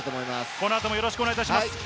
この後もよろしくお願いします。